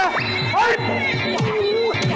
เบาเสียหน่อย